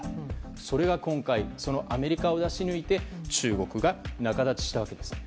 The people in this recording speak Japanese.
それが今回アメリカを出し抜いて中国が仲立ちしたわけです。